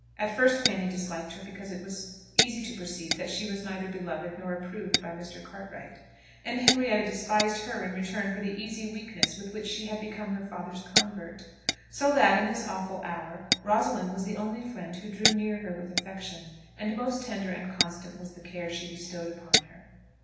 At first Fanny disliked her because it was easy to perceive that she was neither beloved nor approved by Mr. Cartwright; and Henrietta despised her in return for the easy weakness with which she had become her father's convert. So that, in this awful hour, Rosalind was the only friend who drew near her with affection; and most tender and constant was the care she bestowed upon her.